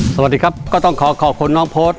สวัสดีครับก็ต้องขอขอบคุณน้องโพสต์